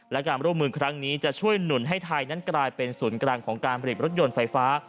และการร่วมมือครั้งนี้จะช่วยหนุนให้ไทยนั้นกลายเป็นศูนย์กลางของการผลิตรถยนต์ไฟฟ้า